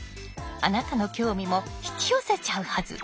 あなたの興味も引き寄せちゃうはず。